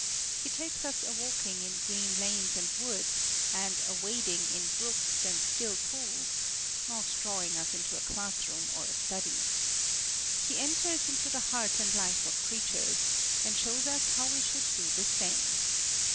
He takes us a walking in green lanes and woods, and a wading in brooks and still pools not drawing us into a class room or a study. He enters into the heart and life of creatures, and shows us how we should do the same.